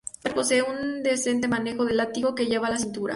Para terminar, posee un decente manejo del látigo que lleva a la cintura.